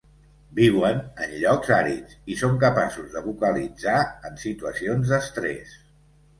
Viuen en llocs àrids, i són capaços de vocalitzar en situacions d'estres.